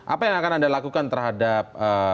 apa yang akan anda lakukan terhadap